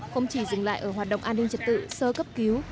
không chỉ dừng lại ở hoạt động an ninh trật tự sơ cấp cứu